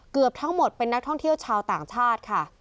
เกือบทั้งหมดเป็นนักท่องเที่ยวชาวต่างชาติค่ะ